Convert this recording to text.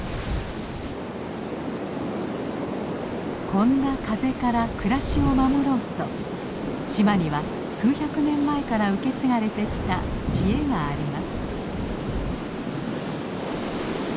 こんな風から暮らしを守ろうと島には数百年前から受け継がれてきた知恵があります。